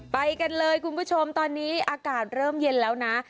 ไปกันเลยคุณผู้ชมตอนนี้อากาศเริ่มเย็นแล้วนะ